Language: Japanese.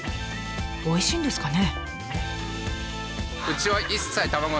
おいしいんですかね？